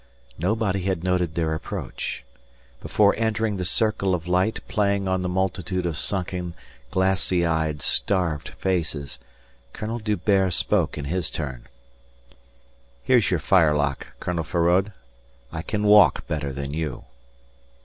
Nobody had noted their approach. Before entering the circle of light playing on the multitude of sunken, glassy eyed, starved faces, Colonel D'Hubert spoke in his turn: "Here's your firelock, Colonel Feraud. I can walk better than you."